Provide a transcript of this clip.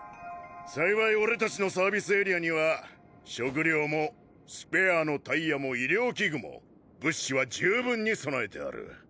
幸い俺たちのサービスエリアには食料もスペアのタイヤも医療器具も物資は十分に備えてある。